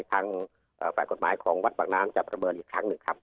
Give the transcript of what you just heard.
ทางฝ่ายกฎหมายของวัดปากน้ำจะประเมินอีกครั้งหนึ่งครับ